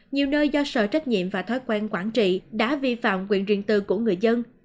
nhiều nơi do sợ trách nhiệm và thói quen quản trị đã vi phạm quyền riêng tư của người dân